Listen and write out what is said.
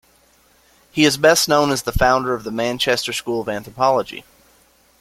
He is best known as the founder of the Manchester School of anthropology.